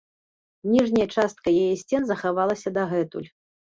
Ніжняя частка яе сцен захавалася дагэтуль.